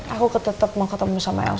aku tetap mau ketemu sama elsa